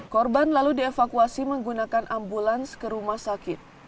korban lalu dievakuasi menggunakan ambulans ke rumah sakit